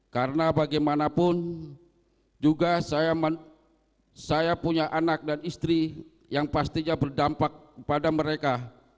karena bagaimanapun juga saya punya anak dan istri yang pastinya berdampak pada mereka